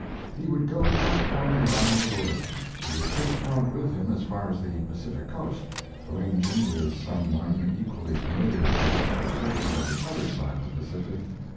He would go platforming around the world! He would take Pond with him as far as the Pacific coast, arranging with some one equally familiar with the lecture circuit on the other side of the Pacific.